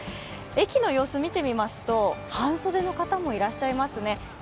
駅の様子、見てみますと半袖の方もいらっしゃいますね。